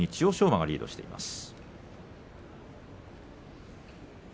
馬がリードしています。